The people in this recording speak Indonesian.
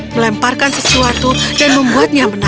melemparkan sesuatu dan membuatnya menang